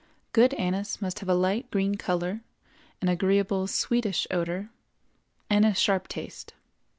Good anise must have a light green color, an agreeable sweetish odor, and a sharp taste.